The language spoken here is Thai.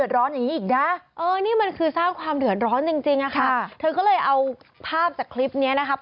ต้องเอาคนระบวนรักษาพี่นะ